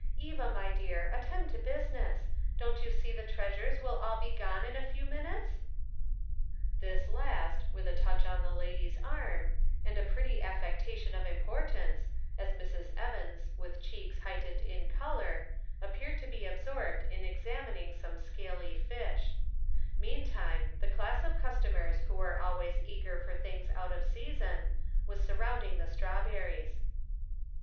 Eva, my dear, attend to business ; don't you see the treasures will all . be gone in a few minutes ?" This last, with a touch on the lady's arm, and a pretty affectation of importance, as Mrs. Evans with cheeks heightened in color, ap peared to be absorbed in examining some scaly fish ; meantime the class of customers who are always eager for things out of season, was sur rounding the strawberries.